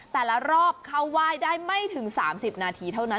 แต่ละรอบเข้าไหว้ได้ไม่ถึง๓๐นาทีเท่านั้น